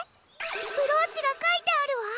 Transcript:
ブローチがかいてあるわ！